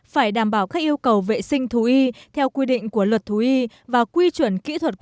phải đảm bảo các yêu cầu vệ sinh thú y theo quy định của luật thú y